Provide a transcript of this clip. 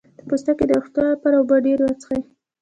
د پوستکي د روغتیا لپاره اوبه ډیرې وڅښئ